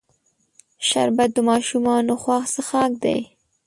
شربت د ماشومانو خوښ څښاک دی